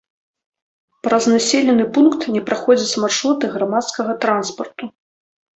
Праз населены пункт не праходзяць маршруты грамадскага транспарту.